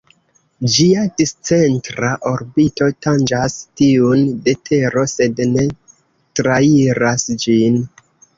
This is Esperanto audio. Ĝia discentra orbito tanĝas tiun de Tero sed ne trairas ĝin.